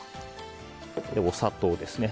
お砂糖ですね。